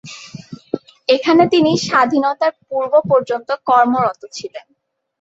এখানে তিনি স্বাধীনতার পূর্ব পর্যন্ত কর্মরত ছিলেন।